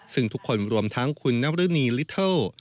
ซึ่งทุกคนรวมทั้งคุณนรณีลิเทิล